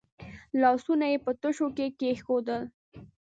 لاسونه یې په تشو کې کېښودل.